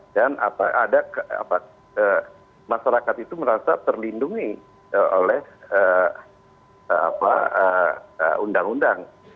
dan masyarakat itu merasa terlindungi oleh undang undang